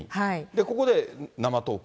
ここで生トーク。